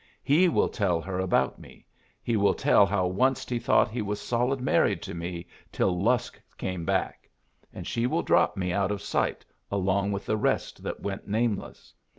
He will tell her about me. He will tell how onced he thought he was solid married to me till Lusk came back; and she will drop me out of sight along with the rest that went nameless.